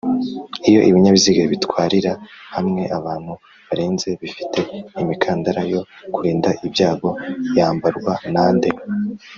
iyo Ibinyabiziga bitwarira hamwe abantu barenze bifite imikandara yo kurinda ibyago yambarwa nande